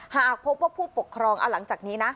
หากพบว่าผู้ปกครองเอาหลังจากนี้นะ